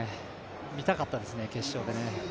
見たかったですね、決勝でね。